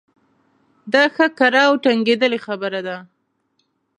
دا ښه کره او ټنګېدلې خبره ده.